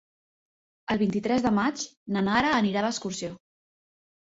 El vint-i-tres de maig na Nara anirà d'excursió.